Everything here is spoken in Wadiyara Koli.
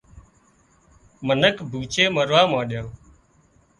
منک ڀوڇي مروا مانڏيان